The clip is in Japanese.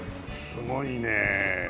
すごいねえ。